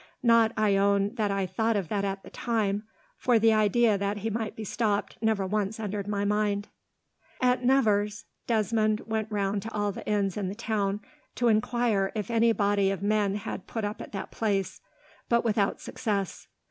Not, I own, that I thought of that at the time, for the idea that he might be stopped never once entered my mind." At Nevers, Desmond went round to all the inns in the town, to enquire if any body of men had put up at that place, but without success.